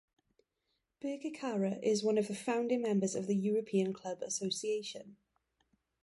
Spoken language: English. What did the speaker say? Birkirkara is one of the founding members of the European Club Association.